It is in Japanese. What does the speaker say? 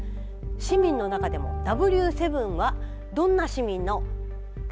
市民の中でもＷ７はどんな市民の会議でしょうか。